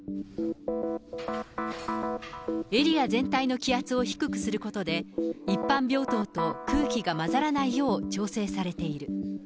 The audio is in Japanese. エリア全体の気圧を低くすることで、一般病棟と空気が混ざらないよう調整されている。